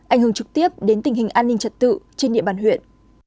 ảnh hưởng trực tiếp đến tình hình an ninh trật tự trên địa bàn huyện